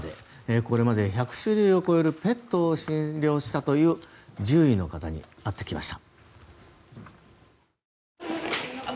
これまで１００種類を超えるペットを診療したという獣医の方に会ってきました。